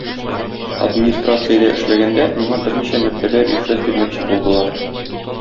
Администрациядә эшләгәндә миңа берничә мәртәбә ришвәт бирмәкче булдылар.